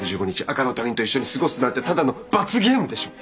赤の他人と一緒に過ごすなんてただの罰ゲームでしょ。